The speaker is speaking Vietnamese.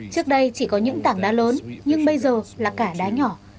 trước đây chỉ có những tảng đá lớn nhưng bây giờ là cả đá nhỏ